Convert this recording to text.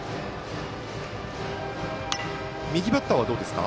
右バッターはどうですか？